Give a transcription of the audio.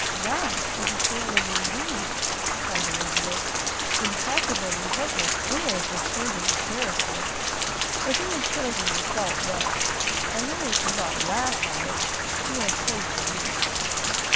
"'That is a failing indeed,' cried Elizabeth. 'Implacable resentment is a shade in a character. But you have chosen your fault well. I really cannot laugh at it. You are safe from me.